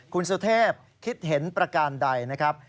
คุณสุเทพคิดเห็นประการใดนะครับ